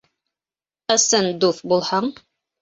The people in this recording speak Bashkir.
Ысын дуҫ булһаң